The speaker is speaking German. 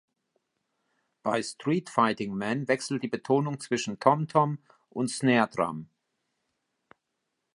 Bei "Street Fighting Man" wechselt die Betonung zwischen Tomtom und Snare Drum.